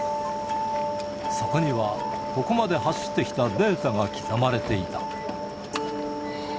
そこには、ここまで走ってきたデータが刻まれていた。